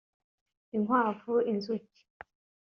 inkwavu inzuki